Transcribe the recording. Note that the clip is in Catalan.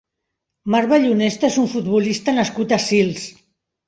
Marc Vallhonesta és un futbolista nascut a Sils.